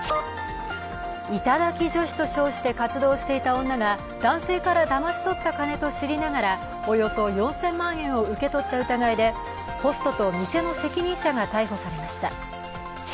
頂き女子と称して活動していた女が男性からだまし取った金と知りながらおよそ４０００万円を受け取った疑いでホストと店の責任者が逮捕されました。